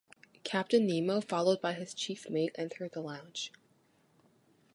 Captain Nemo, followed by his chief mate, entered the lounge.